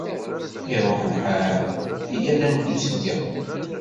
Iṛuḥ lḥal. Iyyat ad neddu seg-a!